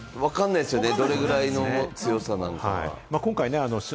わかんないですよね、どのくらいの強さなのか。